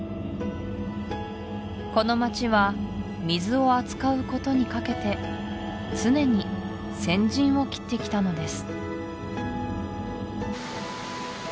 この街は水を扱うことにかけて常に先陣を切ってきたのです